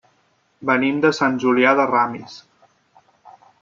Venim de Sant Julià de Ramis.